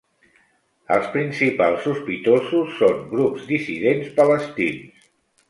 Els principals sospitosos són grups dissidents palestins.